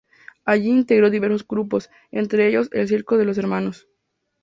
Allí integró diversos grupos, entre ellos El Circo de los Hnos.